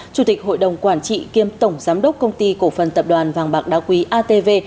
chủ tịch hội đồng quản trị kiêm tổng giám đốc công ty cổ phần tập đoàn vàng bạc đá quý atv